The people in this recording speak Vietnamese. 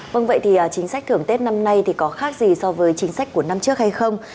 vâng vậy thì chính sách thưởng tết năm nay thì có khác gì so với chính sách của năm trước hay không